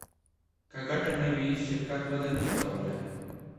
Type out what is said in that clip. که ګټه نه وي شرکت وده نشي کولی.